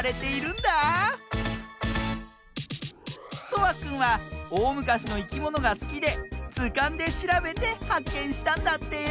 とわくんはおおむかしのいきものがすきでずかんでしらべてはっけんしたんだって！